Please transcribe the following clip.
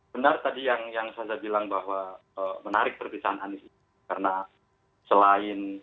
benar tadi yang saza bilang bahwa menarik perpisahan anies itu karena selain